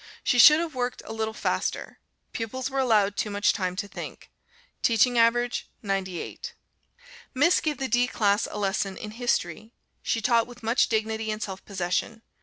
She should have worked a little faster. Pupils were allowed too much time to think. Teaching average, 98. Miss gave the D class a lesson in History. She taught with much dignity and self possession.